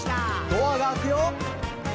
「ドアが開くよ」